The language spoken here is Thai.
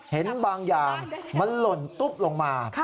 เห็นบางอย่างมันหล่นตุ๊บลงมา